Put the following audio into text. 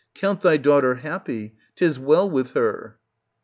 Count thy daughter happy : 'tis well with her.